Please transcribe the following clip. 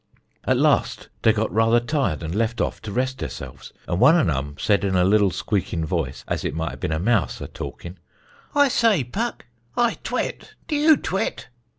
"At last dey got rather tired and left off to rest derselves, and one an um said in a liddle squeakin' voice, as it might a bin a mouse a talkin': 'I say Puck, I tweat; do you tweat?'